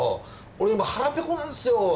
俺今腹ペコなんすよ